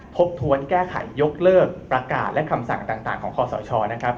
ทบทวนแก้ไขยกเลิกประกาศและคำสั่งต่างของคอสชนะครับ